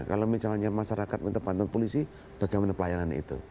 kalau misalnya masyarakat minta bantuan polisi bagaimana pelayanan itu